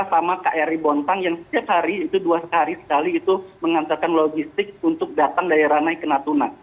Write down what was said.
sama kri bontang yang setiap hari itu dua sehari sekali itu mengantarkan logistik untuk datang dari ranai ke natuna